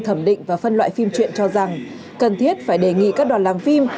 thẩm định và phân loại phim truyện cho rằng cần thiết phải đề nghị các đoàn làm phim